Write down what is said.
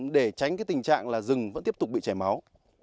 để tránh cái tình trạng là rừng vẫn tiếp tục bị chảy máu